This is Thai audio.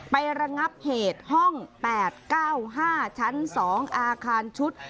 ระงับเหตุห้อง๘๙๕ชั้น๒อาคารชุด